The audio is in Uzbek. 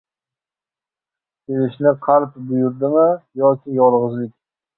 • Sevishni qalb buyurdimi yoki yolg‘izlik?